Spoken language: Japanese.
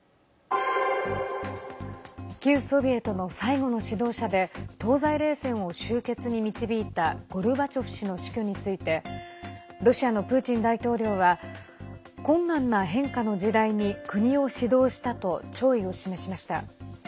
旧ソビエトの最後の指導者で東西冷戦を終結に導いたゴルバチョフ氏の死去についてロシアのプーチン大統領は困難な変化の時代に国を指導したと弔意を示しました。